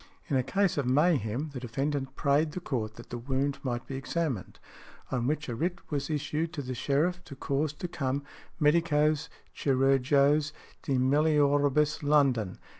In a case of mayhem the defendant prayed the court that the wound might be examined, on which a writ was issued to the sheriff to cause to come "_medicos chirurgos de melioribus London.